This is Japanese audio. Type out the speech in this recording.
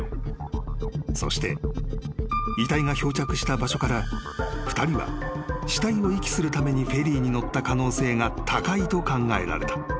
［そして遺体が漂着した場所から２人は死体を遺棄するためにフェリーに乗った可能性が高いと考えられた。